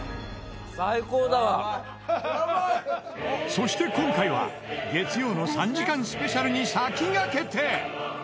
そして今回は月曜の３時間スペシャルに先駆けて。